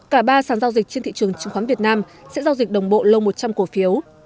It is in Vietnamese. cả ba sản giao dịch trên thị trường chứng khoán việt nam sẽ giao dịch đồng bộ lô một trăm linh cổ phiếu